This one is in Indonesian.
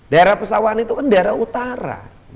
daerah pesawan itu kan daerah utara